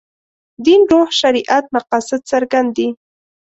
دین روح شریعت مقاصد څرګند دي.